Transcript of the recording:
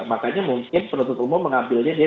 makanya mungkin penutup umum mengambilnya